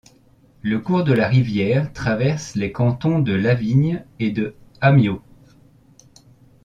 Le cours de la rivière traverse les cantons de Lavigne et de Amyot.